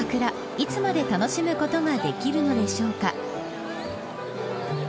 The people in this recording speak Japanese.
いつまで楽しむことができるのでしょうか。